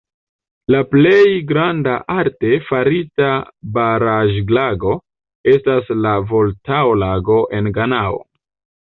La plej granda arte farita baraĵlago estas la Voltao-Lago en Ganao.